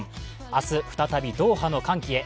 明日、再びドーハの歓喜へ。